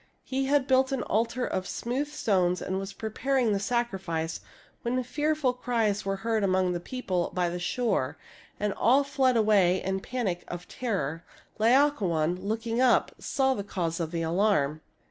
He had built an altar of smooth stones and was preparing the sacrifice, when fearful cries were heard among the people by the shore, and all fled away in a panic of terror. Laocoon, looking up, saw the cause of the alarm.